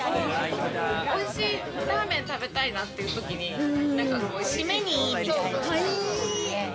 おいしいラーメン食べたいな締めにいいみたいな。